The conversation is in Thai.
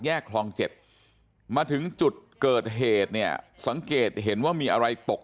คลอง๗มาถึงจุดเกิดเหตุเนี่ยสังเกตเห็นว่ามีอะไรตก